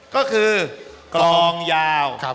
ก็คือกลองยาว